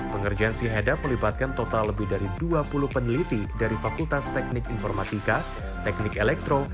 pengerjaan si hedap melibatkan total lebih dari dua puluh peneliti dari fakultas teknik informatika teknik elektro